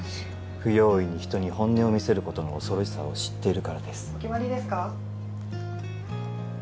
不用意に人に本音を見せることの恐ろしさを知っているからです・お決まりですか？